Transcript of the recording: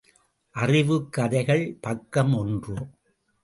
அறிவுக் கதைகள் பக்கம் ஒன்று.